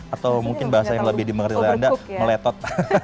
atau mungkin bahasa yang lebih dimengerti oleh anda meletot